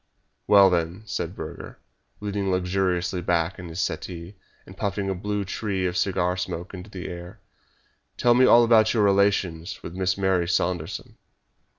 "Well, then," said Burger, leaning luxuriously back in his settee, and puffing a blue tree of cigar smoke into the air, "tell me all about your relations with Miss Mary Saunderson."